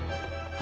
あ！